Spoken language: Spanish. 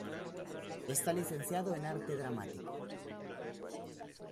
Está licenciado en arte dramático.